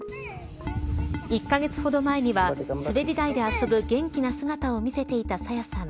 １カ月ほど前にはすべり台で遊ぶ元気な姿を見せていた朝芽さん。